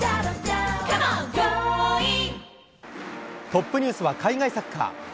トップニュースは海外サッカー。